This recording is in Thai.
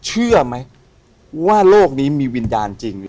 เชื่อไหมว่าโลกนี้มีวิญญาณจริง